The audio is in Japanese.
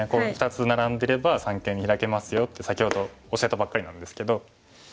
「２つナラんでれば三間にヒラけますよ」って先ほど教えたばっかりなんですけど。